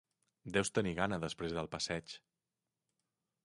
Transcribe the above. Deus tenir gana després del passeig.